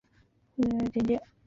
可参考下方的盔甲换装简介。